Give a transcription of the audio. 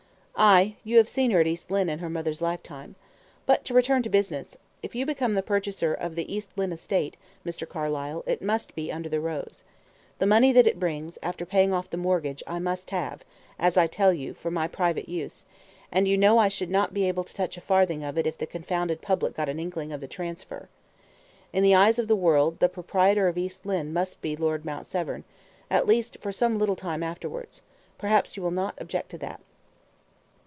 "Ay; you have seen her at East Lynne, in her mother's lifetime. But, to return to business. If you become the purchaser of the East Lynne estate, Mr. Carlyle, it must be under the rose. The money that it brings, after paying off the mortgage, I must have, as I tell you, for my private use; and you know I should not be able to touch a farthing of it if the confounded public got an inkling of the transfer. In the eyes of the world, the proprietor of East Lynne must be Lord Mount Severn at least for some little time afterwards. Perhaps you will not object to that."